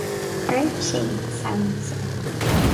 Chuir sé samhnas orm.